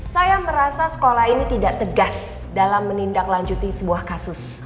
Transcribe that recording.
saya merasa sekolah ini tidak tegas dalam menindaklanjuti sebuah kasus